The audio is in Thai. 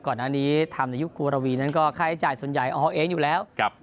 ก่อนหน้านี้ทำในยุคครูระวีนั้นก็ค่าใช้จ่ายส่วนใหญ่เอาเองอยู่แล้ว